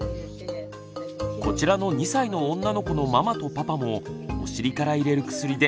こちらの２歳の女の子のママとパパもお尻から入れる薬で大苦戦したそうです。